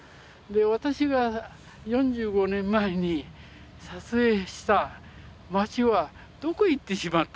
私が４５年前に撮影した町はどこへ行ってしまったんだろう。